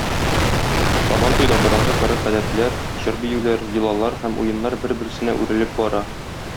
Сабантуйда борынгы гореф-гадәтләр, җыр-биюләр, йолалар һәм уеннар бер-берсенә үрелеп бара.